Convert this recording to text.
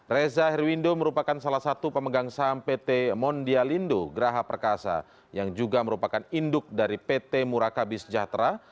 reza herwindo merupakan salah satu pemegang saham pt mondialindo geraha perkasa yang juga merupakan induk dari pt murakabi sejahtera